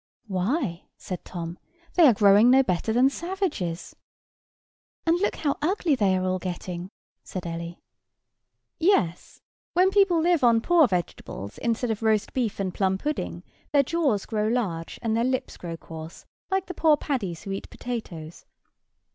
"Why," said Tom, "they are growing no better than savages." "And look how ugly they are all getting," said Ellie. "Yes; when people live on poor vegetables instead of roast beef and plum pudding, their jaws grow large, and their lips grow coarse, like the poor Paddies who eat potatoes."